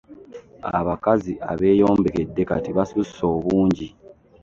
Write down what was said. Abakazi abeeyombekedde kati basusse obungi.